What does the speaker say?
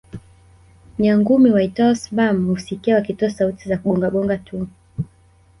Nyangumi waitwao sperm husikika wakitoa sauti za kugonga gonga tu